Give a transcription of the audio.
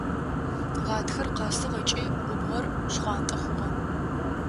Гъатхэр къэсыгъ ыкӏи губгъор шхъуантӏэ хъугъэ.